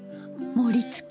盛りつけ！